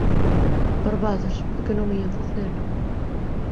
Parvadas, por que non ía facelo.